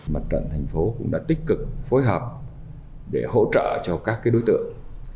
mặt trận thành phố cũng đã tích cực phối hợp để hỗ trợ cho các đối tượng